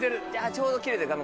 ちょうど切れた画面が。